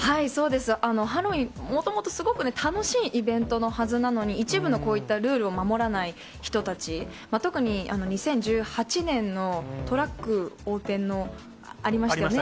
ハロウィーン、もともとすごく楽しいイベントのはずなのに、一部のこういったルールを守らない人たち、特に２０１８年のトラック横転の、ありましたね。